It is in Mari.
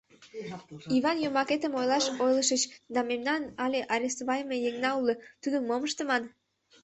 Иван, йомакетым ойлаш ойлышыч, да мемнан але арестовайыме еҥна уло, тудым мом ыштыман?